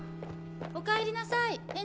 おかえりなさい園長。